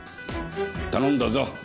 頼んだぞ